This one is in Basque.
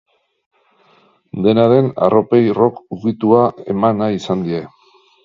Dena den, arropei rock ukitua eman nahi izan die.